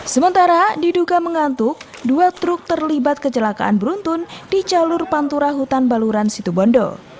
sementara diduga mengantuk dua truk terlibat kecelakaan beruntun di jalur pantura hutan baluran situbondo